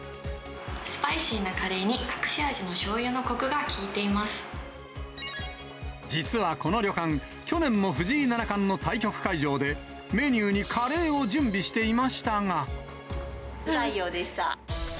スパイシーなカレーに隠し味実はこの旅館、去年も藤井七冠の対局会場で、メニューにカレーを準備していま不採用でした。